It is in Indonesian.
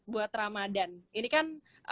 buat ramadhan ini kan